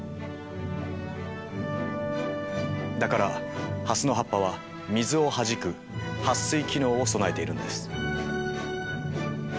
だからハスの葉っぱは水をはじく撥水機能を備えているんです。